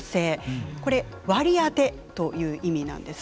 これ割り当てという意味なんです。